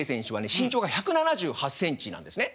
身長が１７８センチなんですね。